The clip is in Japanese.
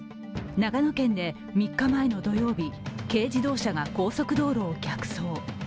長野県で３日前の土曜日、軽自動車が高速道路を逆走。